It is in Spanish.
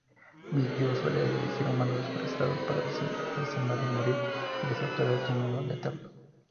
Miyu suele elegir humanos desesperados que desean morir y les otorga el sueño eterno.